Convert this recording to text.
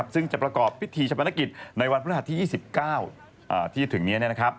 ซึ่งจะประกอบพิธีชะพนักกิจในวันพฤหัสที่๒๙ที่จะถึงนี้